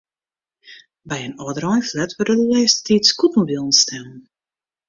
By in âldereinflat wurde de lêste tiid scootmobilen stellen.